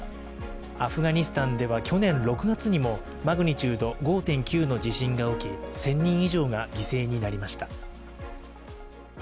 アフガニスタンでは去年６月にもマグニチュード５．９の地震が起き１０００人以上が犠牲になりました。